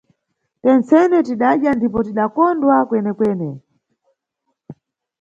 Tensene tidadya ndipo tidakondwa kwenekwene.